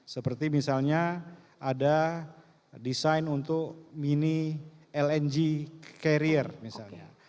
seperti misalnya ada desain untuk mini lng carrier misalnya